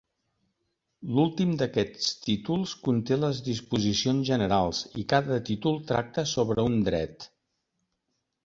L'últim d'aquests títols conté les disposicions generals i cada títol tracta sobre un dret.